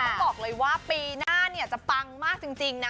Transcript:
บอกเลยว่าปีหน้าจะปังมากจริงนะ